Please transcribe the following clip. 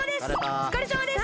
おつかれさまです！